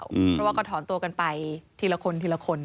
เพราะว่าก็ถอนตัวกันไปทีละคนทีละคน